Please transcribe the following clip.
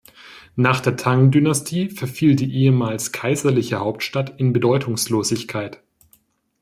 Nach der Tang-Dynastie verfiel die ehemals kaiserliche Hauptstadt in Bedeutungslosigkeit.